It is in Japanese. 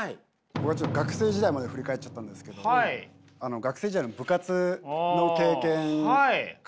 僕はちょっと学生時代まで振り返っちゃったんですけど学生時代の部活の経験かなと。